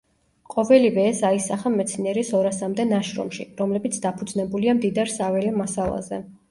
ყოველივე ეს აისახა მეცნიერის ორასამდე ნაშრომში, რომლებიც დაფუძნებულია მდიდარ საველე მასალაზე.